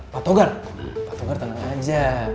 pak togar tenang aja